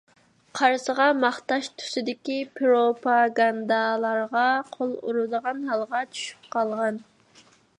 قارىسىغا ماختاش تۈسىدىكى پروپاگاندالارغا قول ئۇرىدىغان ھالغا چۈشۈپ قالغان.